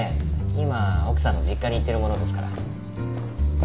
今奥さんの実家に行ってるものですから。